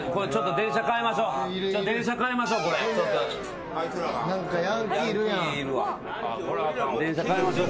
電車変えましょう。